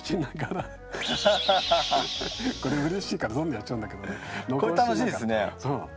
これうれしいからどんどんやっちゃうんだけどね。